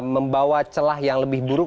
membawa celah yang lebih buruk